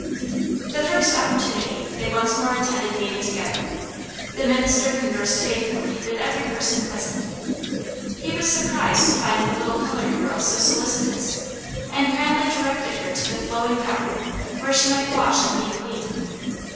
The first opportunity they once more attended meeting together. The minister conversed faithfully with every person present. He was surprised to find the little colored girl so solicitous, and kindly directed her to the flowing fountain where she might wash and be clean.